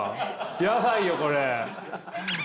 やばいよこれ！